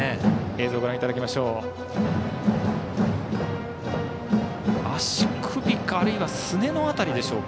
映像をご覧いただきましょう。